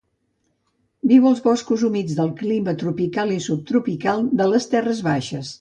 Viu als boscos humits de clima tropical i subtropical de les terres baixes.